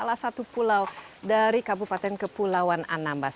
salah satu pulau dari kabupaten kepulauan anambas